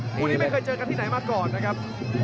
คู่นี้ไม่เคยเจอกันที่ไหนมาก่อนนะครับ